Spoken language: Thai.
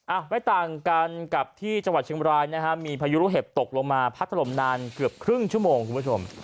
อ่ะไม่ต่างกันกับที่จังหวัดเชียงบรายนะฮะมีพายุลูกเห็บตกลงมาพัดถล่มนานเกือบครึ่งชั่วโมงคุณผู้ชม